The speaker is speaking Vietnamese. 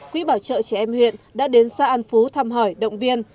quỹ bảo trợ trẻ em huyện đã đến xã an phú thăm hỏi động viên